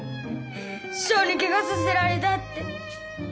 師匠にけがさせられたって。